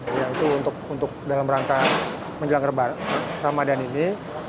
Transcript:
berantakan menjelang ramadan ini